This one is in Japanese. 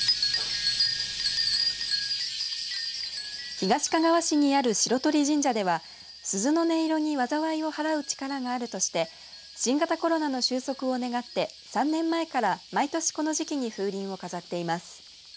東かがわ市にある白鳥神社では鈴の音色に災いをはらう力があるとして新型コロナの収束を願って３年前から毎年この時期に風鈴を飾っています。